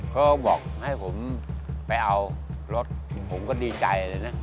เขาบอกให้ผมไปเอารถผมก็ดีใจเลยนะ